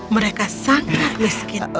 mereka sangat miskin